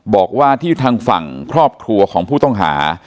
บอกว่าที่ทางฝั่งครอบครัวของผู้ต้องหา